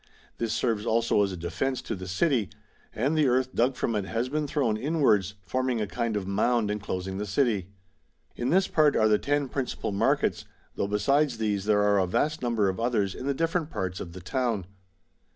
This serves also as a defence to the city, and the earth dug from it has been thrown inwards, forming a kind of mound enclosing the city.^ In this part are the ten principal markets, though besides these there are a vast number of others in the different parts of the town.